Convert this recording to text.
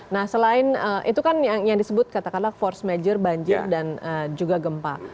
nah selain itu kan yang disebut katakanlah force major banjir dan juga gempa